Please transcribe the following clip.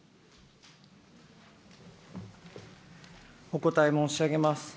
お答え申し上げます。